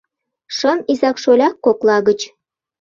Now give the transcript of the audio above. Шым изак-шоляк кокла гыч